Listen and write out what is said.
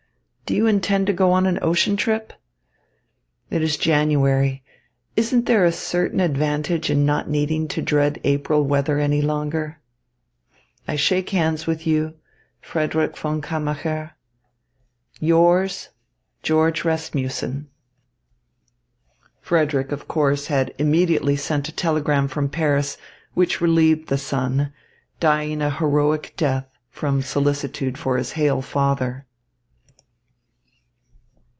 Do you intend to go on an ocean trip? It is January. Isn't there a certain advantage in not needing to dread April weather any longer? I shake hands with you, Frederick von Kammacher. Yours, George Rasmussen. Frederick, of course, had immediately sent a telegram from Paris, which relieved the son, dying a heroic death, from solicitude for his hale father.